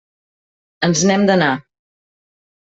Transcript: Ens n'hem d'anar.